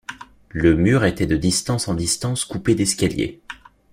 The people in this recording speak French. Le mur était de distance en distance coupé d’escaliers.